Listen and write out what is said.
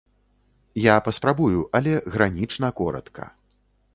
Я паспрабую, але гранічна коратка.